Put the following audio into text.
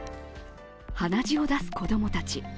鼻血を出す子供たち。